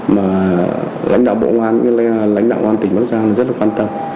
mà lãnh đạo bộ ngoan lãnh đạo ngoan tỉnh bắc giang rất là quan tâm